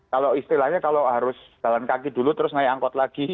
kalau istilahnya kalau harus jalan kaki dulu terus naik angkot lagi